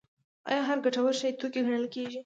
آیا هر ګټور شی توکی ګڼل کیږي؟